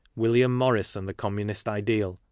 William Morris and the Communist Ideal.